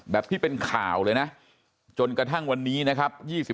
ที่เป็นข่าวเลยนะจนกระทั่งวันนี้นะครับ